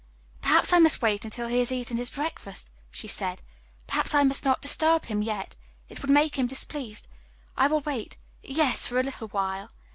"Perhaps I must wait until he has eaten his breakfast," she said. "Perhaps I must not disturb him yet. It would, make him displeased. I will wait yes, for a little while."